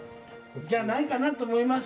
じゃないかなと思います。